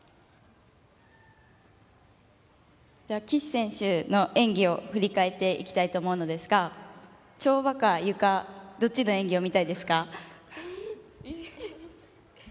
岸選手の演技を振り返っていきたいと思いますが跳馬か、ゆかどっちの演技を見たいですか？